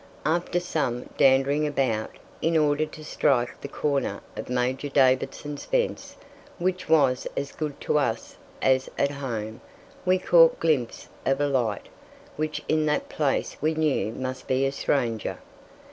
After some "dandering" about, in order to strike the corner of Major Davidson's fence, which was as good to us as at home, we caught glimpse of a light, which in that place we knew must be a stranger.